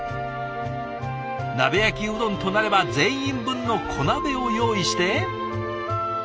鍋焼きうどんとなれば全員分の小鍋を用意して。